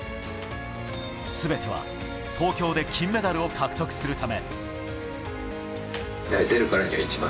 全ては東京で金メダルを獲得するため。